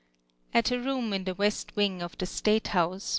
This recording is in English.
At a room in the west wing of the state house.